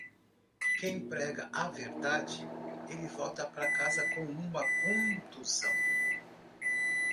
Quem prega a verdade, ele volta para casa com uma contusão.